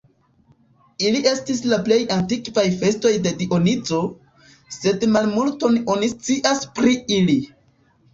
Ili estis la plej antikvaj festoj de Dionizo, sed malmulton oni scias pri ili.